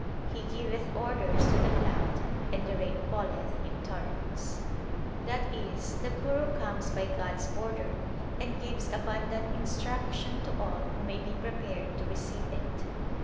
He giveth orders to the Cloud and the rain falleth in torrents. That is, the Guru comes by God s order and gives abundant instruction to all who may be prepared to receive it.